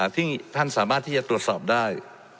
ที่ท่านสามารถที่จะตรวจสอบได้